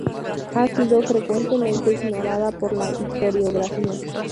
Ha sido frecuentemente ignorada por la historiografía.